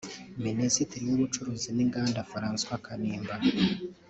Minisitiri w’ubucuruzi n’Inganda François Kanimba